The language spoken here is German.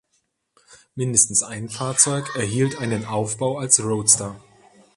Mindestens ein Fahrzeug erhielt einen Aufbau als Roadster.